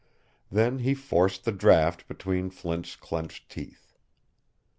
Then he forced the draught between Flint's clenched teeth.